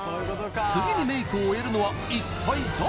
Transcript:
次にメイクを終えるのは一体誰？